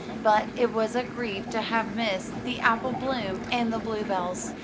But it was a grief to have missed the apple bloom and the bluebells.